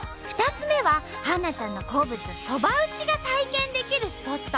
２つ目は春菜ちゃんの好物そば打ちが体験できるスポット。